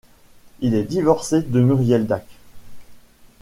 Il est divorcé de Muriel Dacq.